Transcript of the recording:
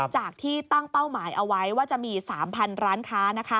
จากที่ตั้งเป้าหมายเอาไว้ว่าจะมี๓๐๐ร้านค้า